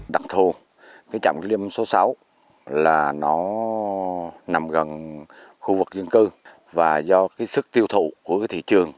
trạm kiểm lâm số sáu là nó nằm gần khu vực dân cư và do sức tiêu thụ của thị trường